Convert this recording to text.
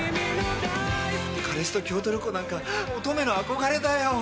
彼氏と京都旅行なんか乙女の憧れだよ！